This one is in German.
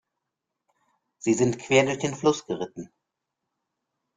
Sie sind quer durch den Fluss geritten.